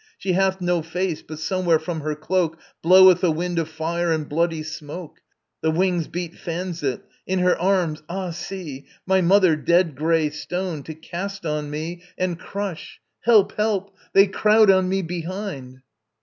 She hath no face, but somewhere from her cloak Bloweth a wind of fire and bloody smoke: The wings' beat fans it: in her arms, Ah see! My mother, dead grey stone, to cast on me And crush ... Help, help! They crowd on me behind